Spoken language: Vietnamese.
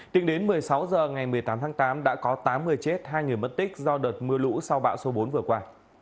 tính đến một mươi sáu h ngày một mươi tám tháng tám đã có tám người chết hai người mất tích do đợt mưa lũ sau bão số bốn vừa qua